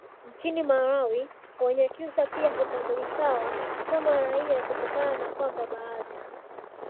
nchini malawi wanyakyusa pia hutambulikawa kama raia kutokana na kwamba baadhi